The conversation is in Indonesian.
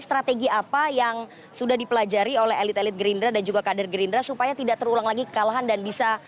strategi apa yang sudah dipelajari oleh elit elit gerindra dan juga kader gerindra supaya tidak terulang lagi kekalahan dan bisa